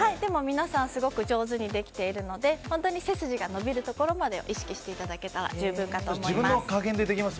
皆さんすごく上手にできているので本当に背筋が伸びるところまでを意識していただければ自分の加減でできます